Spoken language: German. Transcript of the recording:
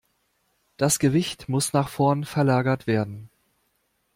Das Gewicht muss nach vorn verlagert werden.